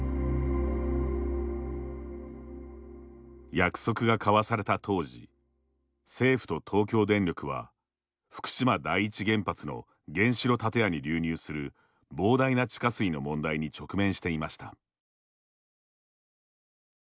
約束が交わされた当時政府と東京電力は福島第一原発の原子炉建屋に流入する膨大な地下水の問題に直面していました。